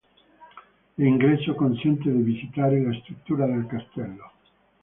L'ingresso consente di visitare la struttura del castello.